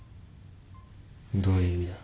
どういう意味だ？